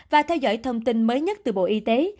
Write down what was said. và theo dõi thông tin mới nhất từ bộ y tế